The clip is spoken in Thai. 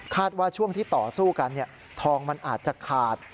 ว่าช่วงที่ต่อสู้กันทองมันอาจจะขาด